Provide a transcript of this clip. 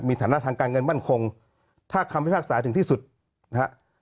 มีฐานะทางการเงินมั่นคงถ้าคำพิพากษาถึงที่สุดนะฮะ